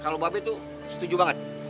kalau mbak be tuh setuju banget